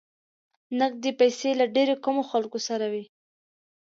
نقدې پیسې له ډېرو کمو خلکو سره وې.